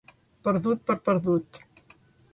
Perdut per perdut.